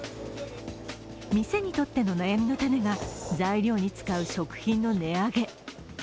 店にとっての悩みの種が材料に使う食品の値上げ。